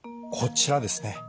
こちらですね。